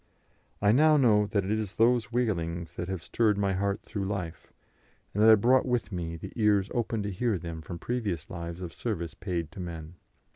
I now know that it is those wailings that have stirred my heart through life, and that I brought with me the ears open to hear them from previous lives of service paid to men.